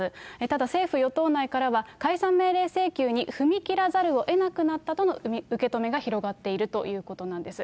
ただ、政府・与党内からは、解散命令請求に踏み切らざるをえなくなったとの受け止めが広がっているということなんです。